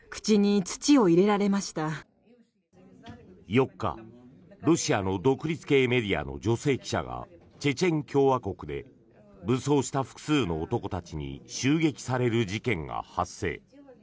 ４日、ロシアの独立系メディアの女性記者がチェチェン共和国で武装した複数の男たちに襲撃される事件が発生。